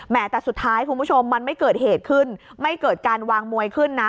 แต่สุดท้ายคุณผู้ชมมันไม่เกิดเหตุขึ้นไม่เกิดการวางมวยขึ้นนะ